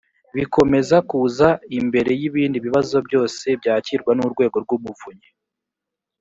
bikomeza kuza imbere y ibindi bibazo byose byakirwa n urwego rw umuvunyi